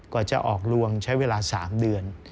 จะออกลวงใช้เวลา๓เดือน